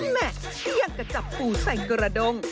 แม่เชี่ยงกระจับปู่ใส่กระดง